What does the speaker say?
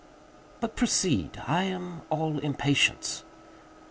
"But proceed—I am all impatience."